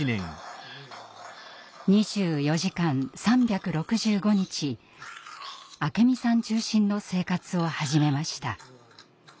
２４時間３６５日明美さん中心の生活を始めました。